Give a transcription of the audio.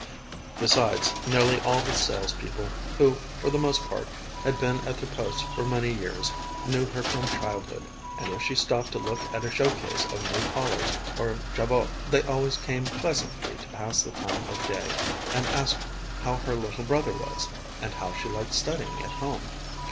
Besides, nearly all the salespeople, who, for the most part, had been at their posts for many years, knew her from childhood, and if she stopped to look at a show case of new collars, or jabots, they always came pleasantly to pass the time of day, and ask how her little brother was, and how she liked studying at home.